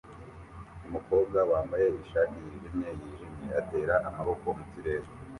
Umukobwa wambaye ishati yijimye yijimye atera amaboko mu kirere